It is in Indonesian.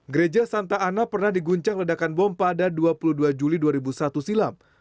gereja santa ana pernah diguncang ledakan bom pada dua puluh dua juli dua ribu satu silam